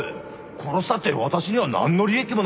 殺したって私には何の利益もない。